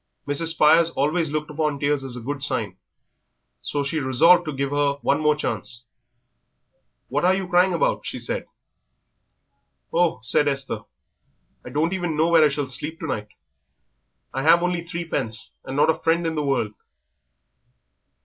Mrs. Spires always looked upon tears as a good sign, so she resolved to give her one more chance. "What are you crying about?" she said. "Oh," said Esther, "I don't even know where I shall sleep tonight. I have only threepence, and not a friend in the world."